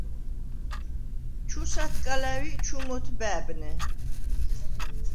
– ჩუ ს’ათკალა̈უ̂ ი ჩუ მ’ოთბა̄̈ბნე.